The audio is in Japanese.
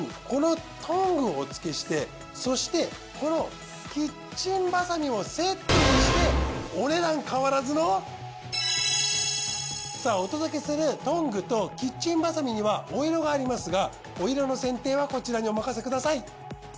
このトングをおつけしてそしてこのキッチンバサミもセットにしてお値段変わらずの。お届けするトングとキッチンバサミにはお色がありますがお色の選定はこちらにお任せください。